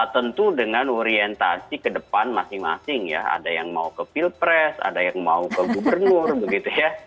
tentu dengan orientasi ke depan masing masing ya ada yang mau ke pilpres ada yang mau ke gubernur begitu ya